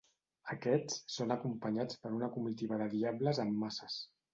Aquests són acompanyats per una comitiva de diables amb maces.